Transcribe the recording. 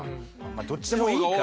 どっちでもいいか。